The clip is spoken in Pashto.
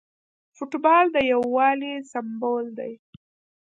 فوټبال د یووالي سمبول دی.